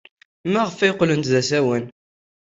Maɣef ay qqlent d asawen?